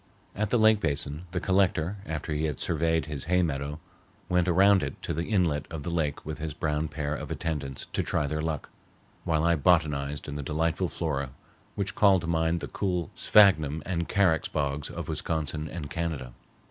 At the lake basin the Collector, after he had surveyed his hay meadow, went around it to the inlet of the lake with his brown pair of attendants to try their luck, while I botanized in the delightful flora which called to mind the cool sphagnum and carex bogs of Wisconsin and Canada.